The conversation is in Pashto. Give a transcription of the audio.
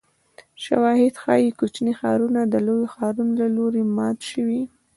شواهد ښيي کوچني ښارونه د لویو ښارونو له لوري مات شوي